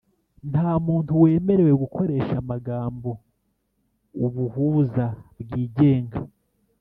Nta muntu wemerewe gukoresha amagambo «ubuhuza bwigenga»